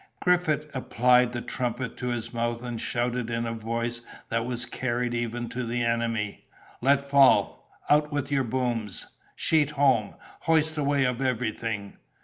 Griffith applied the trumpet to his mouth, and shouted in a voice that was carried even to the enemy, "Let fall—out with your booms—sheet home—hoist away of everything!"